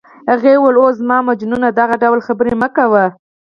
هغې وویل: اوه، زما مجنونه دغه ډول خبرې مه کوه.